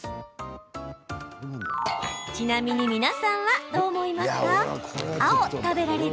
ちなみに皆さんはどう思いますか？